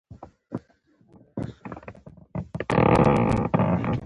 زړه بايد د کرکي څخه پاک وي.